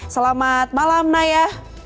selamat malam naya